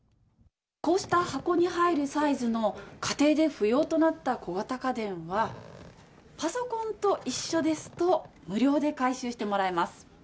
こうした箱に入るサイズの家庭で不要となった小型家電は、パソコンと一緒ですと無料で回収してもらえます。